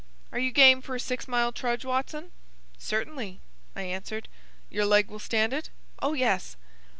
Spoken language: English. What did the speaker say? Are you game for a six mile trudge, Watson?" "Certainly," I answered. "Your leg will stand it?" "Oh, yes."